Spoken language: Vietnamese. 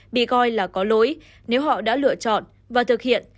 bị coi là có lỗi nếu họ đã lựa chọn và thực hiện